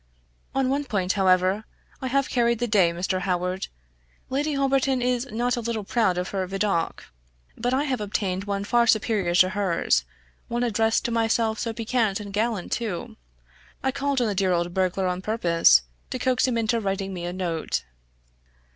"On one point, however, I have carried the day, Mr. Howard. Lady Holberton is not a little proud of her Vidocq; but I have obtained one far superior to hers, one addressed to myself so piquant and gallant too. I called on the dear old burglar on purpose to coax him into writing me a note."